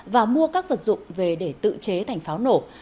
và mua các vật dụng về để tự chế thành pháo nổ